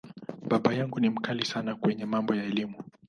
Baba yangu ni ‘mkali’ sana kwenye mambo ya Elimu.